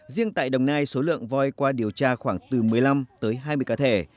riêng tại đồng nai số lượng voi qua điều tra khoảng từ một mươi năm tới hai mươi cá thể